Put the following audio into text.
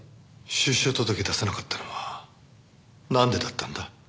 出生届出さなかったのはなんでだったんだ？